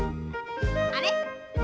あれ？